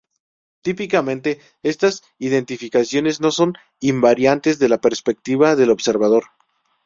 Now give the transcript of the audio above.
Típicamente, estas identificaciones no son invariantes de la perspectiva del observador.